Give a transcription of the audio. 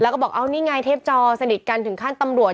แล้วก็บอกเอานี่ไงเทพจอสนิทกันถึงขั้นตำรวจ